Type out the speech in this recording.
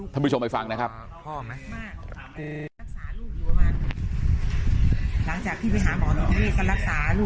ท่านผู้ชมไปฟังนะครับ